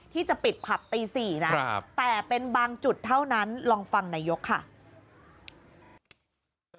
ที่จะปิดผับตี๔นะแต่เป็นบางจุดเท่านั้นลองฟังนายกค่ะ